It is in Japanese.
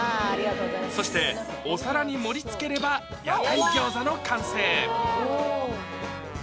そしてお皿に盛りつければ屋台餃子の完成！